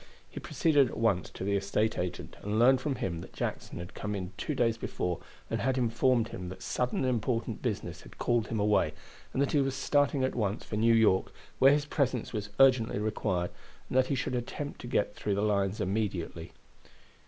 He proceeded at once to the estate agent, and learned from him that Jackson had come in two days before and had informed him that sudden and important business had called him away, and that he was starting at once for New York, where his presence was urgently required, and that he should attempt to get through the lines immediately.